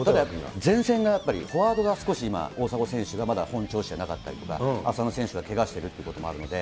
前線がやっぱり、フォワードが少し、今、大迫選手がまだ本調子じゃなかったりとか、あさの選手がけがしてるということもあるので。